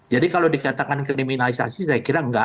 jadi kalau dikatakan kriminalisasi saya kira enggak